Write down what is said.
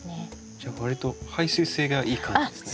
じゃあわりと排水性がいい感じですね。